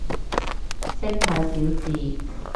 識太少字